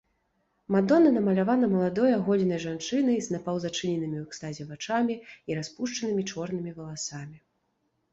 Мадонна намалявана маладой аголенай жанчынай з напаўзачыненымі ў экстазе вачамі і распушчанымі чорнымі валасамі.